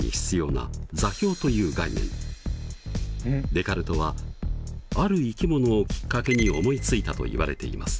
デカルトはある生き物をきっかけに思いついたといわれています。